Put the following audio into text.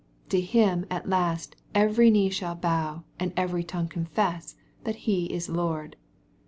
To Him at last every knee shall bow, and every tongue confess that He is Lord.